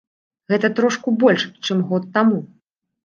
Гэта трошку больш, чым год таму.